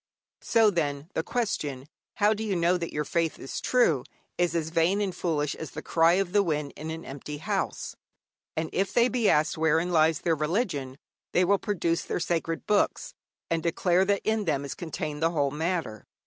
So, then, the question, How do you know that your faith is true? is as vain and foolish as the cry of the wind in an empty house. And if they be asked wherein lies their religion, they will produce their sacred books, and declare that in them is contained the whole matter.